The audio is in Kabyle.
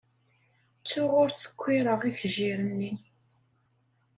Ttuɣ ur skiṛeɣ ikejjir-nni.